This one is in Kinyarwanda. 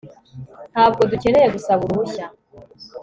Ntabwo dukeneye gusaba uruhushya